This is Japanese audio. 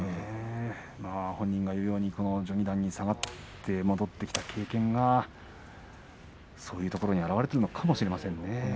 本人が言うように序二段に下がって戻ってきた経験がそういうところに表れているのかもしれませんね。